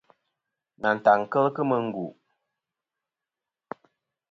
Nantaŋ kel kemɨ n.